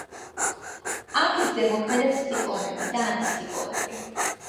ამინდზე მოქმედებს ციკლონები და ანტიციკლონები.